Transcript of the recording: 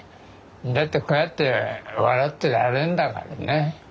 だってこうやって笑ってられんだからね。